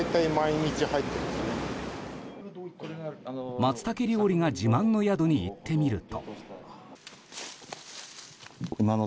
マツタケ料理が自慢の宿に行ってみると。